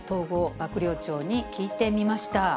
幕僚長に聞いてみました。